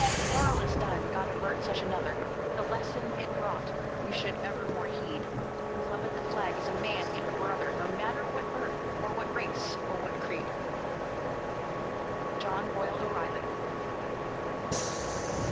The quarrel is done God avert such another; The lesson it brought we should evermore heed: Who loveth the Flag is a man and a brother, No matter what birth or what race or what creed. JOHN BOYLE O'REILLY.